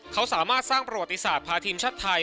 เขาสามารถสร้างประวัติศาสตร์พาทีมชาติไทย